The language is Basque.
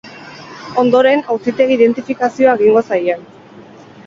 Ondoren, auzitegi-identifikazioa egingo zaie.